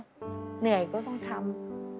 เหนื่อยก็ต้องทำ